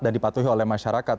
dan dipatuhi oleh masyarakat